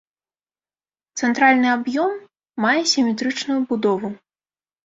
Цэнтральны аб'ём мае сіметрычную будову.